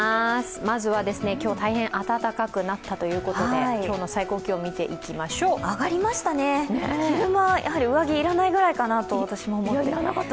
まずは、今日大変温かくなったということで今日の最高気温、見ていきましょう上がりましたね、昼間、上着要らないくらいかなと私も思って。